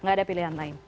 gak ada pilihan lain